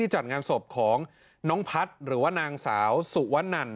ที่จัดงานสบของน้องพัชย์หรือนางสาวสุวันนั่น